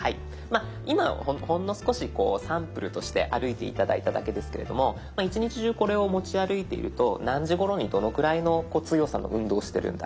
今ほんの少しサンプルとして歩いて頂いただけですけれども一日中これを持ち歩いていると何時ごろにどのくらいの強さの運動をしてるんだ